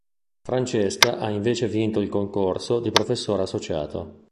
Francesca ha invece vinto il concorso di professore associato.